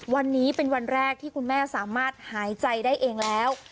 วันนี้เป็นวันแรกที่คุณแม่สามารถหายใจได้เองแล้ว